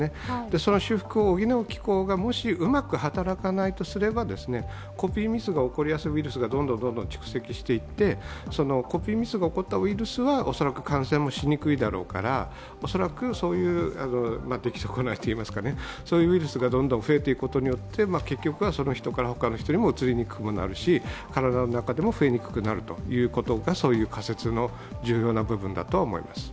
その修復を補う機構がもしうまく働かないとすればコピーミスが起こりやすいウイルスがどんどん蓄積していって、コピーミスが起こったウイルスは恐らく感染もしにくいですから恐らくそういう出来損ないといいますか、そういうウイルスがどんどん増えていくことによって、結局人から人にうつりにくくなるし、体の中でも増えにくくなる、そういう仮説の重要な部分だと思います。